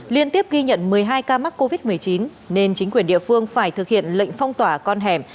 liên tiếp ghi nhận một mươi hai ca mắc covid một mươi chín nên chính quyền địa phương phải thực hiện lệnh phong tỏa con hẻm